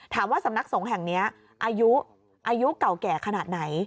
สำนักสงฆ์แห่งนี้อายุเก่าแก่ขนาดไหน